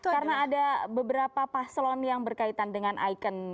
karena ada beberapa paslon yang berkaitan dengan ikon tokoh kan